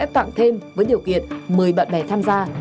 thêm với điều kiện một mươi bạn bè tham gia